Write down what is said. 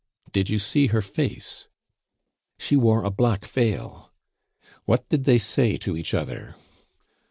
"Did you see her face?" "She wore a black veil." "What did they say to each other?"